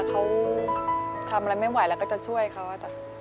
เขาทำอะไรไม่ไหวแล้วก็จะช่วยเขาจ้ะ